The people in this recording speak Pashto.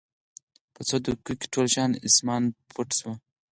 په څو دقېقو کې ټول شین اسمان پټ شو.